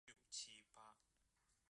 中央苏区江西省设。